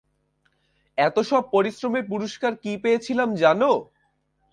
এত সব পরিশ্রমের পুরষ্কার কী পেয়েছিলাম জানো?